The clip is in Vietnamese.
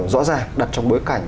rõ ràng đặt trong bối cảnh